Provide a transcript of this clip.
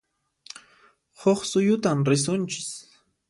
Huq suyutan risunchis